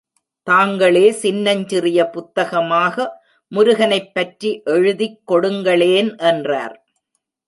தாங்களே சின்னஞ்சிறிய புத்தகமாக முருகனைப் பற்றி எழுதிக் கொடுங்களேன் என்றார்.